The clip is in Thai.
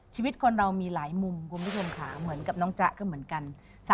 ชีวิตคนเรามีหลายมุมคุณผู้ชมค่ะเหมือนกับน้องจ๊ะก็เหมือนกัน